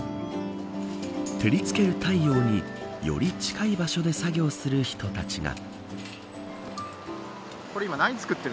照りつける太陽により近い場所で作業する人たちが。